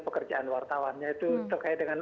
pekerjaan wartawan yaitu terkait dengan